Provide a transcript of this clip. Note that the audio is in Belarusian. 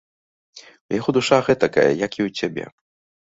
У яго душа гэтакая, як і ў цябе!